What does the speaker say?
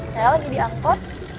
saya lagi diangkut